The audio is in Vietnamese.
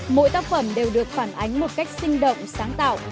mỗi tác phẩm đều được phản ánh một cách sinh động sáng tạo